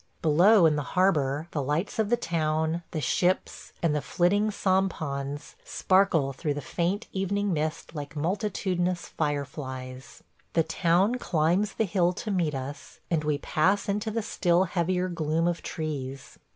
Below in the harbor the lights of the town, the ships, and the flitting sampans sparkle through the faint evening mist like multitudinous fireflies. The town climbs the hill to meet us, and we pass into the still heavier gloom of trees.